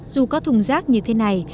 dù có thùng rác như thế này